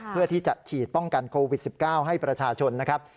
เพื่อที่จะฉีดป้องกันโควิด๑๙ให้ประชาชนนะครับ